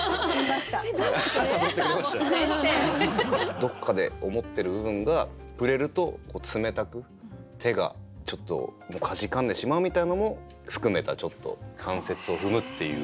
どっかで思ってる部分が触れると冷たく手がちょっとかじかんでしまうみたいのも含めた「残雪を踏む」っていう。